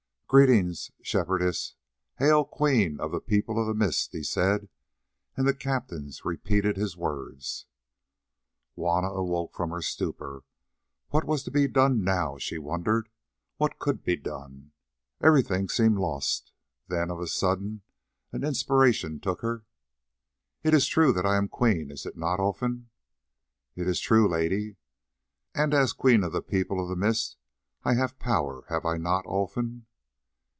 "Greeting, Shepherdess. Hail! Queen of the People of the Mist," he said, and the captains repeated his words. Juanna awoke from her stupor. What was to be done now? she wondered. What could be done? Everything seemed lost. Then of a sudden an inspiration took her. "It is true that I am a queen, is it not, Olfan?" "It is true, Lady." "And as Queen of the People of the Mist I have power, have I not, Olfan."